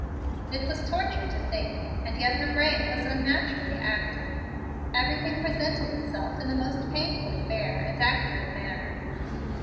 It was torture to think, and yet her brain was unnaturally active. Everything presented itself in the most painfully bare and accurate manner.